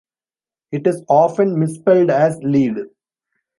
It is often misspelled as "lead".